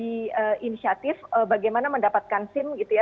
ini adalah satu inisiatif bagaimana mendapatkan sim gitu ya